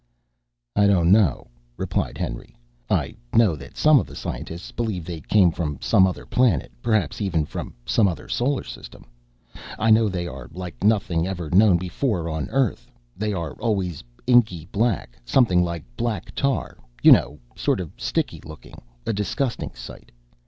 "I don't know," replied Henry. "I know that some of the scientists believe they came from some other planet, perhaps even from some other solar system. I know they are like nothing ever known before on Earth. They are always inky black, something like black tar, you know, sort of sticky looking, a disgusting sight.